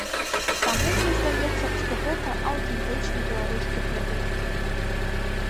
Таму мне здаецца, што гэта аўтэнтычны беларускі прадукт.